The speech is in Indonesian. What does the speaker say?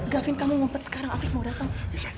gafin kamu ngumpet sekarang afif mau datang